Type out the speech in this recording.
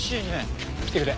来てくれ。